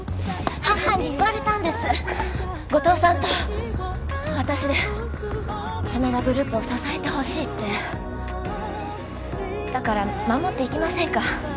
母に言われたんです後藤さんと私で真田グループを支えてほしいってだから守っていきませんか？